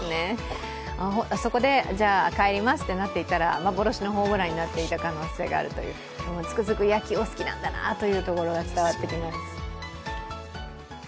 そこで、じゃあ帰りますとなっていたら、幻のホームランになっていた可能性があるという、つくづく野球が好きなんだなというのが伝わってきます。